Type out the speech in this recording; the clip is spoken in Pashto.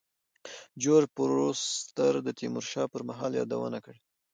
جورج فورستر د تیمور شاه پر مهال یادونه کړې.